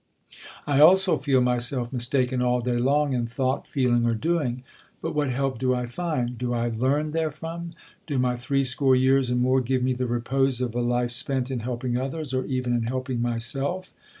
" I also feel myself mistaken all day long in thought, feeling, or doing but what help do I find? do I learn therefrom? do my three score years and more give me the repose of a life spent in helping others or even in helping myself?...